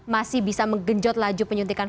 masih bisa menggenjot laju penyuntikan